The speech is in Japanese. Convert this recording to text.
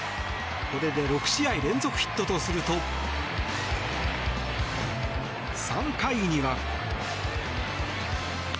これで６試合連続ヒットとすると３回には。